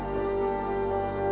saya tidak tahu